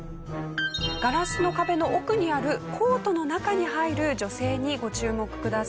ガラスの壁の奥にあるコートの中に入る女性にご注目ください。